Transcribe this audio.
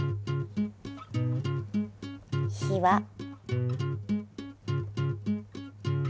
火は。